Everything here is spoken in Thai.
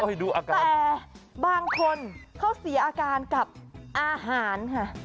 แต่บางคนเขาเสียอาการกับอาหารค่ะ